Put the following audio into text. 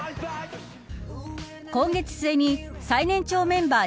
今月末に最年長メンバー